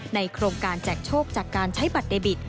โครงการแจกโชคจากการใช้บัตรเดบิต